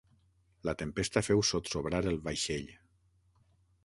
La tempesta feu sotsobrar el vaixell.